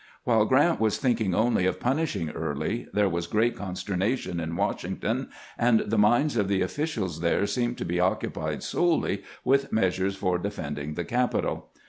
While Grant "was thinking only of punishing Early, there was great consternation in "Washington, and the minds of the offi cials there seemed to be occupied solely with measures for defending the capital.